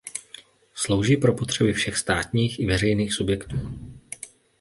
Slouží pro potřeby všech státních i veřejných subjektů.